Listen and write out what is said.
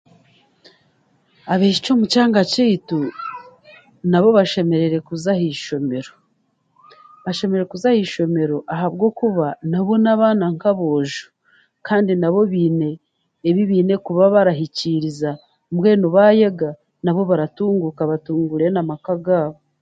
Abaishiki omu kyanga kyaitu, nabo bashemereire kuza aha ishomero. Bashemereire kuza aha ishomero ahabwokuba nabo n'abaana nk'aboojo. Kandi nabo baine ebi baine kuba barahikiiriza, mbwenu baayega, nabo baratunguuka batunguure n'amaka gaabo.